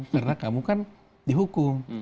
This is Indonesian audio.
karena kamu kan dihukum